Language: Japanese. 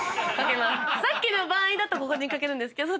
さっきの場合だとここに掛けるんですけど